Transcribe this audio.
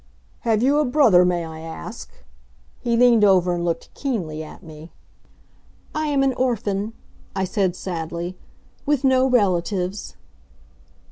"Have you a brother, may I ask?" He leaned over and looked keenly at me. "I am an orphan," I said sadly, "with no relatives."